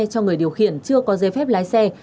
cho người điều khiển chưa có giấy phép lái xe